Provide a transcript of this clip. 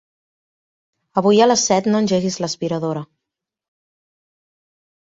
Avui a les set no engeguis l'aspiradora.